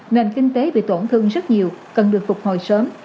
nền kinh tế bị tổn thương rất nhiều cần được phục hồi sớm